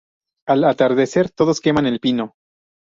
Al atardecer, todos queman el pino.